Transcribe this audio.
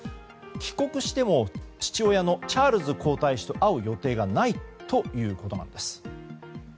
帰国しても父親のチャールズ皇太子と会う予定がないということなんです。